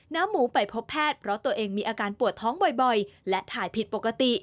หมูไปพบแพทย์เพราะตัวเองมีอาการปวดท้องบ่อยและถ่ายผิดปกติ